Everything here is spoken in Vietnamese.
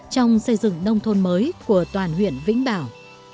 trong xây dựng nông thôn mới của toàn huyện vĩnh bảo